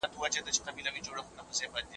باقي سرتېري وتښتېدل.